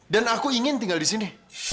dan aku ingin tinggal disini